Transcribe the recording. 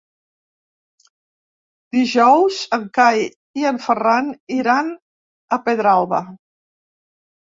Dijous en Cai i en Ferran iran a Pedralba.